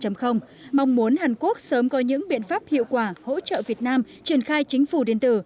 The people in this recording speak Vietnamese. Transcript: mong muốn hàn quốc sớm có những biện pháp hiệu quả hỗ trợ việt nam triển khai chính phủ điện tử